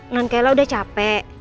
non kelam udah capek